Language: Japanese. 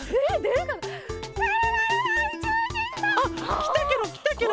あっきたケロきたケロ！